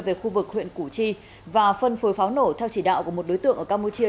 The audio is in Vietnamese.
về khu vực huyện củ chi và phân phối pháo nổ theo chỉ đạo của một đối tượng ở campuchia